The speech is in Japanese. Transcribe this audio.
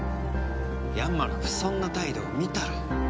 ヤンマの不遜な態度を見たろう？